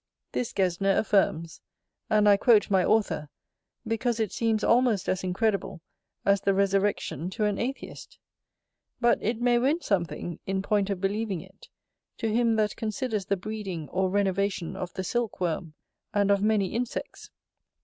This Gesner affirms; and I quote my author, because it seems almost as incredible as the resurrection to an atheist: but it may win something, in point of believing it, to him that considers the breeding or renovation of the silk worm, and of many insects.